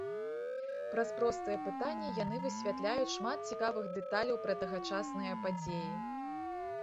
Праз простыя пытанні яны высвятляюць шмат цікавых дэталяў пра тагачасныя падзеі.